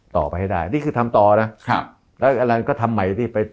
ต่อไปให้ได้นี่คือทำต่อนะครับแล้วก็ทำใหม่สิ